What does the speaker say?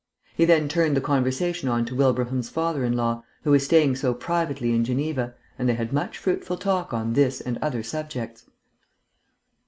He then turned the conversation on to Wilbraham's father in law, who was staying so privately in Geneva, and they had much fruitful talk on this and other subjects.